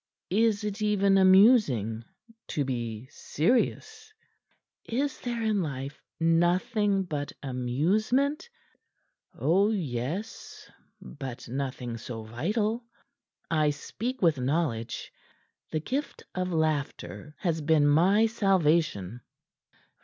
"Is it even amusing to be serious?" "Is there in life nothing but amusement?" "Oh, yes but nothing so vital. I speak with knowledge. The gift of laughter has been my salvation."